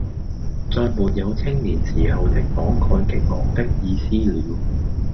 再沒有青年時候的慷慨激昂的意思了。